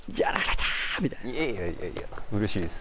いやいやいや嬉しいです